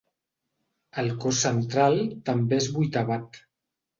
El cos central també és vuitavat.